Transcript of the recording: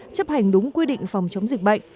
chấp hành đúng quy định phòng chống dịch bệnh